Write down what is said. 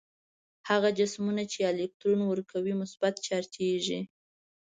هغه جسمونه چې الکترون ورکوي مثبت چارجیږي.